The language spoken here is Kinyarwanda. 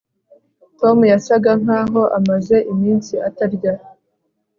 Tom yasaga nkaho amaze iminsi atarya